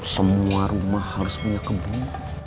semua rumah harus punya kebun